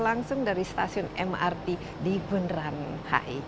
langsung dari stasiun mrt di bundaran hi